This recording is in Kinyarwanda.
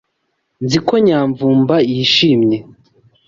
Nzi ko Nyamvumba yishimye.